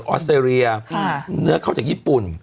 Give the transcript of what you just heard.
อสเตรเลียเนื้อเข้าจากญี่ปุ่น